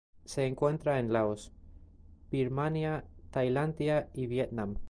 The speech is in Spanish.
Se encuentra en Laos, Birmania, Tailandia, y Vietnam.